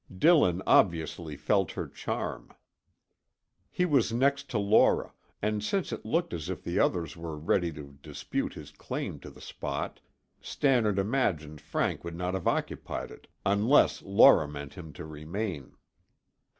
Dillon obviously felt her charm. He was next to Laura, and since it looked as if the others were ready to dispute his claim to the spot, Stannard imagined Frank would not have occupied it unless Laura meant him to remain.